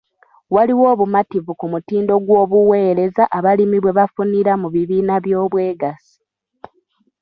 Waliwo obumativu ku mutindo gw'obuweereza abalimi bwe bafunira mu bibiina by'obwegassi.